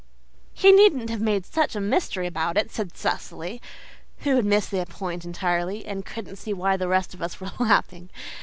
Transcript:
'" "He needn't have made such a mystery about it," said Cecily, who had missed the point entirely, and couldn't see why the rest of us were laughing.